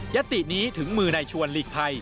ยัตตินี้ถึงมือในชวนหลีกภัย